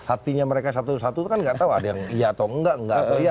artinya mereka satu satu kan nggak tahu ada yang iya atau nggak nggak atau iya